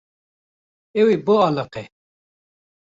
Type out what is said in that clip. Ew ê bialiqe.